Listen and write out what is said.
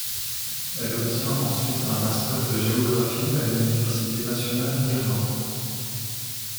Elle obtient ensuite un master de géographie à l'Université nationale d'Irlande.